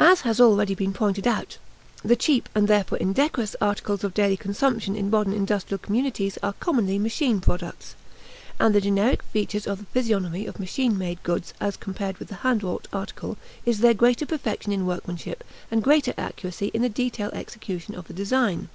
As has already been pointed out, the cheap, and therefore indecorous, articles of daily consumption in modern industrial communities are commonly machine products; and the generic feature of the physiognomy of machine made goods as compared with the hand wrought article is their greater perfection in workmanship and greater accuracy in the detail execution of the design.